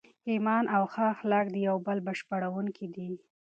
ایمان او ښه اخلاق د یو بل بشپړونکي دي.